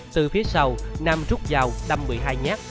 từ phía sau nam rút dao đâm một mươi hai nhát